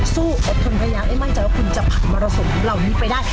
สู้อบทนพยายามได้ไม่ใจว่าคุณจะผ่านมรสมทุกค่ะเราหนี้ไปได้